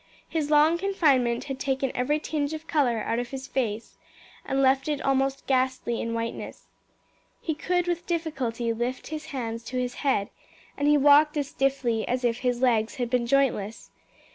His long confinement had taken every tinge of colour out of his face, and left it almost ghastly in its whiteness. He could with difficulty lift his hands to his head, and he walked as stiffly as if his legs had been jointless.